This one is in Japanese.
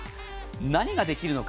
何ができるのか。